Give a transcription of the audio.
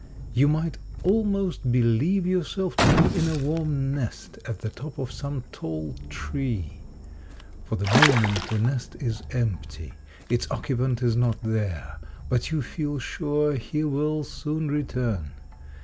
You might almost believe yourself to be in a warm nest at the top of some tall tree. For the moment the nest is empty ; its occupant is not there, but you feel sure he will soon return.